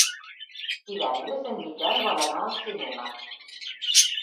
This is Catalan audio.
Divendres en Miquel vol anar al cinema.